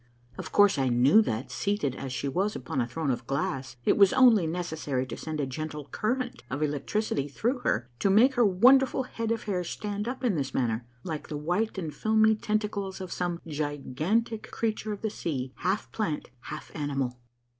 Of course I knew that, seated as she was upon a throne of glass, it was only necessary to send a gentle current of electricity through her to make her wonderful head of hair stand up in this manner, like the white and filmy tentacles of some gigantic creature of the sea, half plant, half animal.